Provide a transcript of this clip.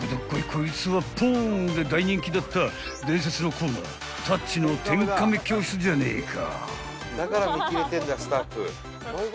こいつは『ＰＯＮ！』で大人気だった伝説のコーナーたっちの天カメ教室じゃねえか］